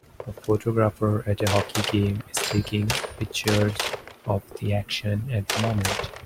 A photographer, at a hockey game is taking a pictures of the action at the moment.